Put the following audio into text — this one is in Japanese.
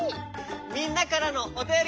みんなからのおたより。